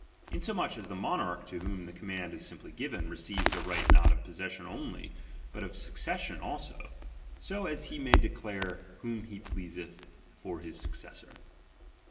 Insomuch as the monarch to whom the command is simply given, receives a right not of possession only, but of succession also ; so as he may declare whom he pleaseth for his successor.